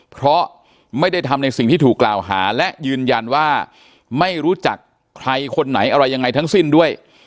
เพราะไม่ได้ทำในสิ่งที่ถูกกล่าวหาและยืนยันว่าไม่รู้จักใครคนไหนอะไรยังไงทั้งสิ้นด้วย